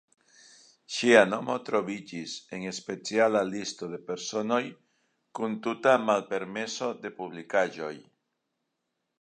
Ŝia nomo troviĝis en speciala listo de personoj kun tuta malpermeso de publikaĵoj.